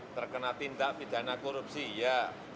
terkena tindak pidana korupsi ya